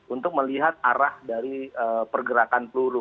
untuk melihat arah dari pergerakan peluru